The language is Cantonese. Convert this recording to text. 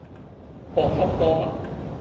博洽多聞